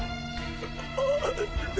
ああ。